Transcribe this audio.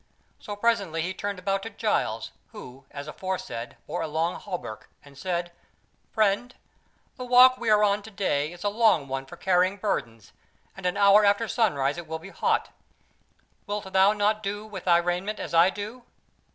So presently he turned about to Giles, who, as aforesaid, bore a long hauberk, and said: "Friend, the walk we are on to day is a long one for carrying burdens, and an hour after sunrise it will be hot. Wilt thou not do with thy raiment as I do?"